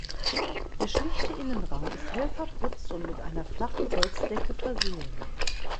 Der schlichte Innenraum ist hell verputzt und mit einer flachen Holzdecke versehen.